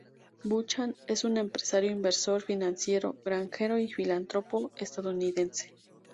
Buchan es un empresario, inversor financiero, granjero y filántropo estadounidense.